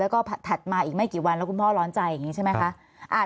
แล้วก็ถัดมาอีกไม่กี่วันแล้วคุณพ่อร้อนใจอย่างนี้ใช่ไหมคะ